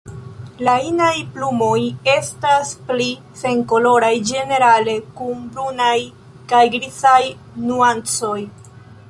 La inaj plumoj estas pli senkoloraj ĝenerale kun brunaj kaj grizaj nuancoj.